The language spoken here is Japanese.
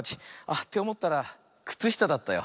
っておもったらくつしただったよ。